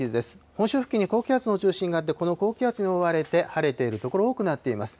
本州付近に高気圧の中心があって、この高気圧に覆われて晴れている所、多くなっています。